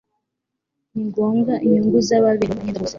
ni ngombwa inyungu z'ababerewemo imyenda bose